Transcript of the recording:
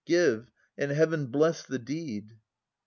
Give, and Heaven bless the deed